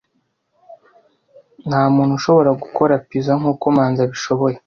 Ntamuntu ushobora gukora pizza nkuko Manzi abishoboye.